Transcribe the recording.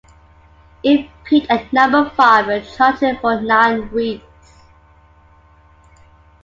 It peaked at number five and charted for nine weeks.